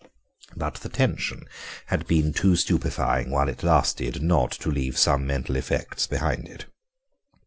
But the tension had been too stupefying while it lasted not to leave some mental effects behind it.